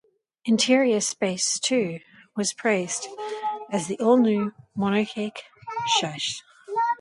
Interior space too, was praised, as was the all-new monocoque chassis.